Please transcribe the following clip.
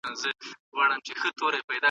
آزاد استازي څنګه فعالیت کوي؟